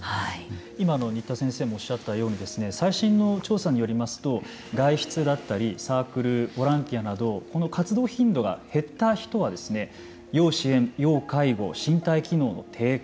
今の新田先生もおっしゃったように最新の調査によりますと外出だったりサークルボランティアなど活動頻度が減った人は要支援・要介護身体機能の低下